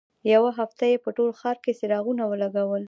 یوه هفته یې په ټول ښار کې څراغونه ولګول.